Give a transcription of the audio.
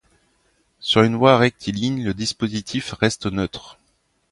Sur une voie rectiligne, le dispositif reste neutre.